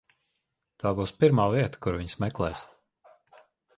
Tā būs pirmā vieta, kur viņus meklēs.